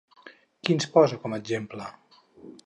Quins posa com a exemple?